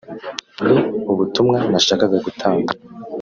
ni ubutumwa nashakaga gutanga